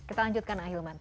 kita lanjutkan ya hilman